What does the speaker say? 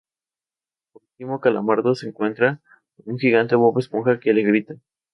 Por último, Calamardo se encuentra con un gigante Bob Esponja que le grita.